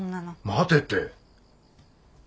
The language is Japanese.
待てって。